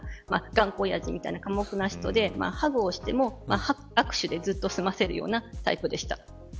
頑固おやじのような寡黙な人でハグをしても握手で済ませるようなタイプでした。